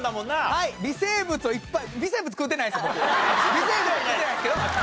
微生物食うてないですけど。